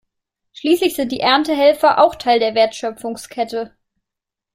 Schließlich sind die Erntehelfer auch Teil der Wertschöpfungskette.